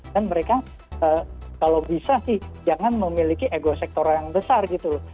dan mereka kalau bisa sih jangan memiliki ego sektor yang besar gitu loh